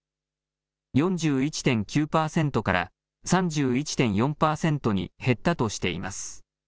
４１．９％から３１．４％に減ったとしています。